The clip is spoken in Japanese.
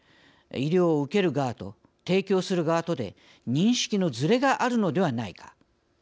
「医療を受ける側と提供する側とで認識のずれがあるのではないか」